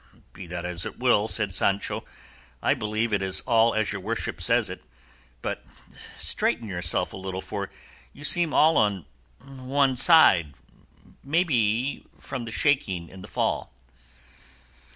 "Be that as God will," said Sancho, "I believe it all as your worship says it; but straighten yourself a little, for you seem all on one side, may be from the shaking of the fall."